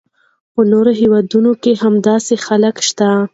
په نورو هیوادونو کې هم داسې خلک شته.